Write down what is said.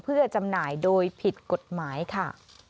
เพื่อจำหน่ายโดยผิดกฎหมายค่ะ